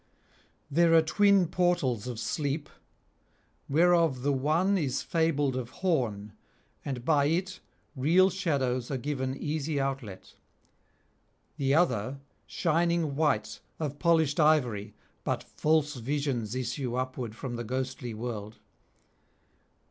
There are twin portals of Sleep, whereof the one is fabled of horn, and by it real shadows are given easy outlet; the other shining white of polished ivory, but false visions issue upward from the ghostly world.